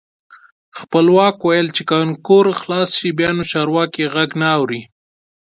خپلواک ویل چې کانکور خلاص شي بیا نو چارواکي غږ نه اوري.